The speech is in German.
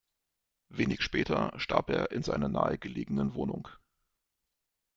Wenig später starb er in seiner nahe gelegenen Wohnung.